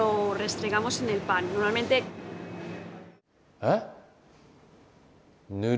えっ？